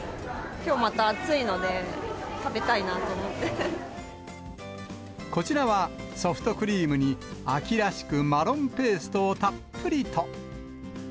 きょう、また暑いので、こちらは、ソフトクリームに秋らしくマロンペーストをたっぷりと。